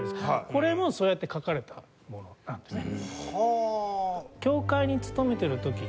これもそうやって書かれたものなんですよ。